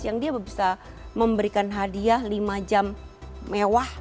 yang dia bisa memberikan hadiah lima jam mewah